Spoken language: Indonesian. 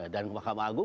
dan mahkamah agung